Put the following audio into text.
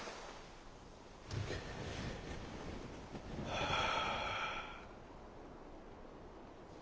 はあ。